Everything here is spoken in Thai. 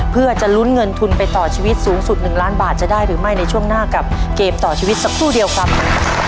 เพื่อจะลุ้นเงินทุนไปต่อชีวิตสูงสุด๑ล้านบาทจะได้หรือไม่ในช่วงหน้ากับเกมต่อชีวิตสักครู่เดียวครับ